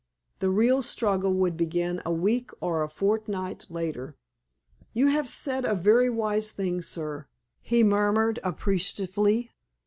The real struggle would begin a week or a fortnight later. "You have said a very wise thing, sir," he murmured appreciatively.